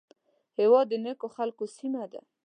هېواد د نیکو خلکو سیمه ده